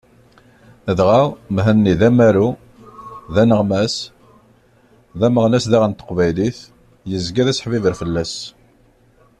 Dɣa, Mhenni d amaru, d aneɣmas, d ameɣnas daɣen n teqbaylit, yezga d aseḥbibber fell-as.